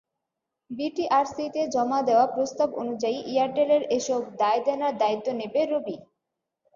বিটিআরসিতে জমা দেওয়া প্রস্তাব অনুযায়ী, এয়ারটেলের এসব দায়দেনার দায়িত্ব নেবে রবি।